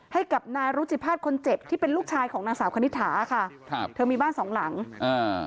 ให้กับนายรุจิภาษณ์คนเจ็บที่เป็นลูกชายของนางสาวคณิตถาค่ะครับเธอมีบ้านสองหลังอ่า